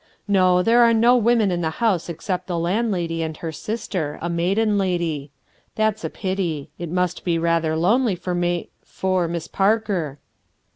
No, there are no women in the house except the landlady and her sister, a maiden lady That's a pity; it must be rather lonely for Ma — for Miss Parker."